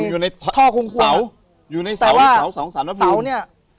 อยู่ในท่อคุงควรอยู่ในเสาอยู่ในเสาสองสามร้านพูมแต่ว่าเสาเนี้ย